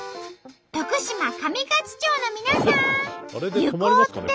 徳島上勝町の皆さん！